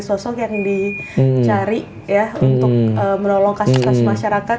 sosok yang dicari ya untuk menolong kasus kasus masyarakat